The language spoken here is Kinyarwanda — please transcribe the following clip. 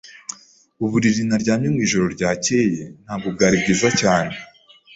Uburiri naryamye mwijoro ryakeye ntabwo bwari bwiza cyane.